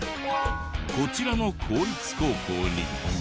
こちらの公立高校に。